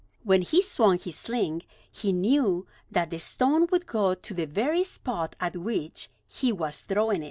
When he swung his sling, he knew that the stone would go to the very spot at which he was throwing it.